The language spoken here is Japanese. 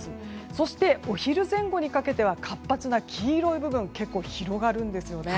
そしてお昼前後にかけては活発な黄色い部分が結構広がるんですよね。